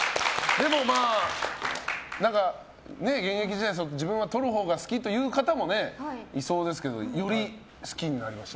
でも現役時代自分はとるほうが好きという方もいそうですけどより好きになりました？